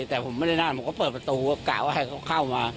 แต่ผมไม่ได้นั่นผมก็เปิดประตูกะว่าให้เขาเข้ามา